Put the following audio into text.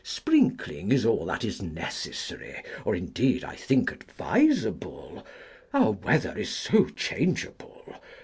Sprinkling is all that is necessary, or indeed I think advisable. Our weather is so changeable.